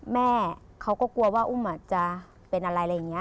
แม่เขาก็กลัวว่าอุ้มอาจจะเป็นอะไรอะไรอย่างนี้